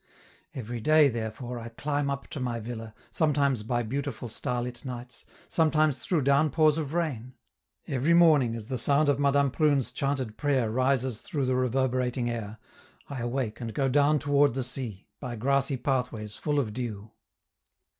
Every day, therefore, I climb up to my villa, sometimes by beautiful starlit nights, sometimes through downpours of rain. Every morning as the sound of Madame Prune's chanted prayer rises through the reverberating air, I awake and go down toward the sea, by grassy pathways full of dew.